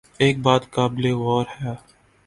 ایک بات قابل غور ہے۔